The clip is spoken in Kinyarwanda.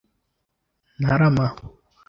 Ntarama